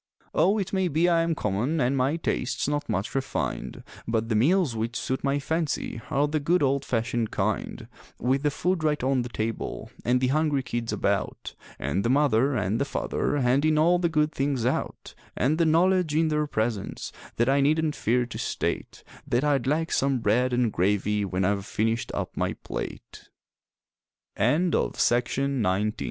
Oh, it may be I am common an' my tastes not much refined, But the meals which suit my fancy are the good old fashioned kind, With the food right on the table an' the hungry kids about An' the mother an' the father handing all the good things out, An' the knowledge in their presence that I needn't fear to state, That I'd like some bread an' gravy when I've finished up my plate. THE GRATE FIRE I'm sorry for a fellow if he cannot look and see In a gra